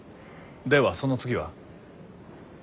ではその次は？